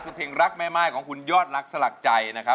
คือเพลงรักแม่ม่ายของคุณยอดรักสลักใจนะครับ